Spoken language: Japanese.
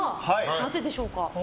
なぜでしょうか？